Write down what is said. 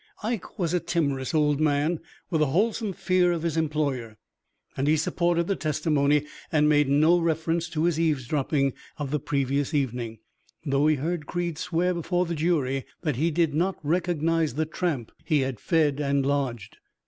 Ike was a timorous old man, with a wholesome fear of his employer, and he supported the testimony and made no reference to his eavesdropping of the previous evening, though he heard Creed swear before the jury that he did not recognize the tramp he had fed and lodged.